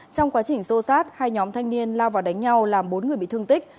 trong quá trình xô sát hai nhóm thanh niên lao vào đánh nhau làm bốn người bị thương tích